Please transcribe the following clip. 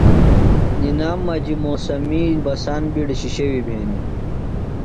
نِنام مجیۡ موسمی بسان بِیڈیۡ شِشیویۡ بھینیۡ۔